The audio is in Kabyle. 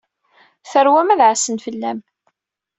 Tarwa-m ad ɛassen fell-am.